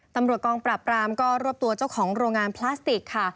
ตำรวจกองปราบปรามก็รวบตัวเจ้าของโรงงานพลาสติกค่ะ